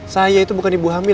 saya itu bukan ibu hamil